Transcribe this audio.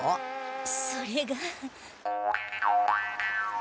それが。